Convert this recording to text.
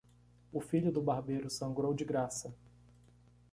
O filho do barbeiro sangrou de graça.